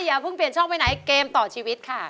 อย่าเพิ่งเปลี่ยนช่องไปไหนเกมต่อชีวิตค่ะ